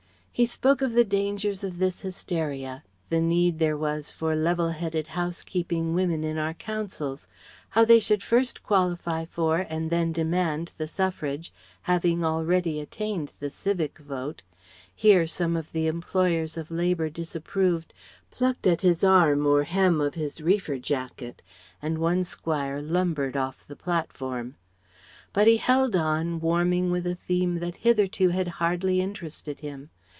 He spoke of the dangers of this hysteria; the need there was for level headed house keeping women in our councils; how they should first qualify for and then demand the suffrage, having already attained the civic vote. (Here some of the employers of labour disapproved, plucked at his arm or hem of his reefer jacket, and one squire lumbered off the platform.) But he held on, warming with a theme that hitherto had hardly interested him.